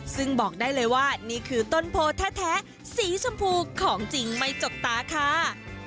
ซึ่งบอกได้เลยว่านี่คือต้นโพแท้สีชมพูของจริงไม่จกตาค่ะ